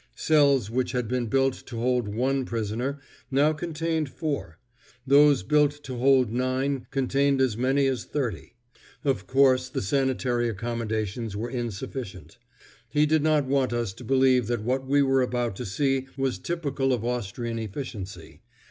Cells which had been built to hold one prisoner, now contained four; those built to hold nine contained as many as thirty. Of course the sanitary accommodations were insufficient. He did not want us to believe that what we were about to see was typical of Austrian efficiency.